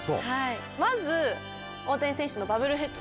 まず大谷選手のバブルヘッドですね。